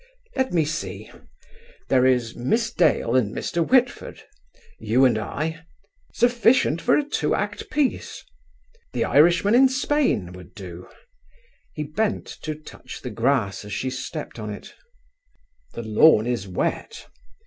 "Let me see; there is Miss Dale and Mr. Whitford; you and I; sufficient for a two act piece. THE IRISHMAN IN SPAIN would do." He bent to touch the grass as she stepped on it. "The lawn is wet."